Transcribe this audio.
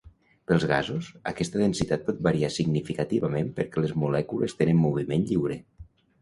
Pels gasos, aquesta densitat pot variar significativament perquè les molècules tenen moviment lliure.